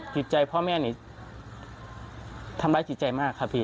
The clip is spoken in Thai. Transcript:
จิตใจพ่อแม่นี้ทำร้ายจิตใจมากครับพี่